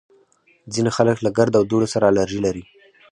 ځینې خلک له ګرد او دوړو سره الرژي لري